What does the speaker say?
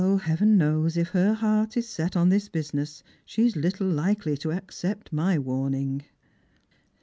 Heaven knows, if her heart is set on this business, she is little likely to accept my warning."